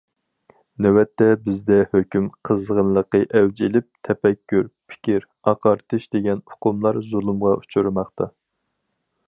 نۆۋەتتە بىزدە ھۆكۈم قىزغىنلىقى ئەۋج ئېلىپ، تەپەككۇر، پىكىر، ئاقارتىش دېگەن ئۇقۇملار زۇلۇمغا ئۇچرىماقتا.